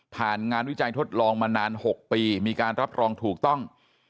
งานวิจัยทดลองมานาน๖ปีมีการรับรองถูกต้อง